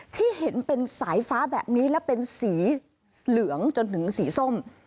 ที่เห็นเป็นสายฟ้าแบบนี้และเป็นสีเหลืองจนถึงสีส้ม